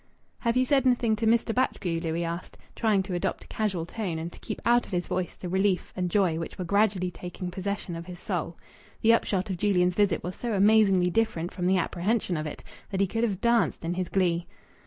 "Have you said anything to Mr. Batchgrew?" Louis asked, trying to adopt a casual tone, and to keep out of his voice the relief and joy which were gradually taking possession of his soul. The upshot of Julian's visit was so amazingly different from the apprehension of it that he could have danced in his glee.